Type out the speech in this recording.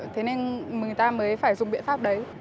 thế nên mình ta mới phải dùng biện pháp đấy